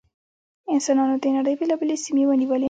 انسانانو د نړۍ بېلابېلې سیمې ونیولې.